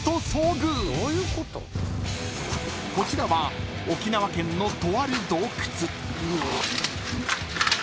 ［こちらは沖縄県のとある洞窟］